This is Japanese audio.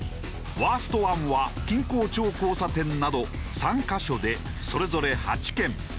ワースト１は金港町交差点など３カ所でそれぞれ８件。